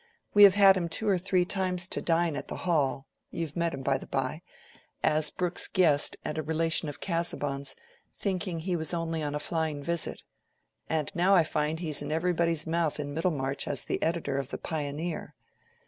"We have had him two or three times to dine at the Hall (you have met him, by the bye) as Brooke's guest and a relation of Casaubon's, thinking he was only on a flying visit. And now I find he's in everybody's mouth in Middlemarch as the editor of the 'Pioneer.